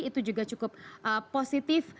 itu juga cukup positif